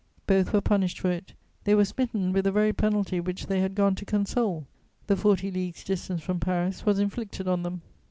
Both were punished for it; they were smitten with the very penalty which they had gone to console: the forty leagues' distance from Paris was inflicted on them.